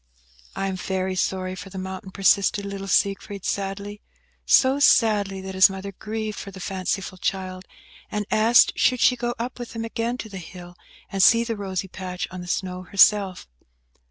"I am very sorry for the mountain," persisted little Siegfried, sadly; so sadly that his mother grieved for the fanciful child, and asked should she go up with him again to the hill, and see the rosy patch on the snow herself?